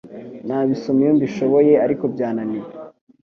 nabisoma iyo mbishoboye ariko byananiye